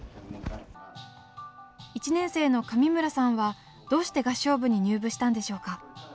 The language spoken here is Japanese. １年生の上村さんはどうして合唱部に入部したんでしょうか？